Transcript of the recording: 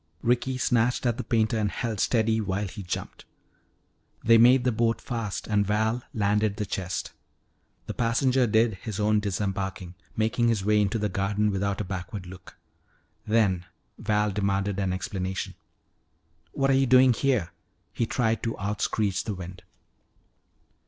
Ricky snatched at the painter and held steady while he jumped. They made the boat fast and Val landed the chest. The passenger did his own disembarking, making his way into the garden without a backward look. Then Val demanded an explanation. "What are you doing here?" he tried to out screech the wind.